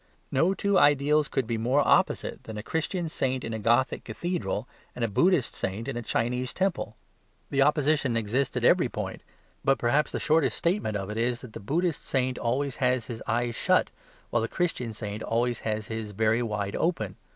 No two ideals could be more opposite than a Christian saint in a Gothic cathedral and a Buddhist saint in a Chinese temple. The opposition exists at every point; but perhaps the shortest statement of it is that the Buddhist saint always has his eyes shut, while the Christian saint always has them very wide open.